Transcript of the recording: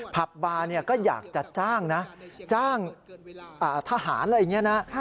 ผับบาร์ก็อยากจะจ้างนะจ้างทหารอะไรอย่างนี้นะ